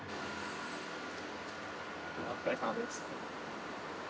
お疲れさまです。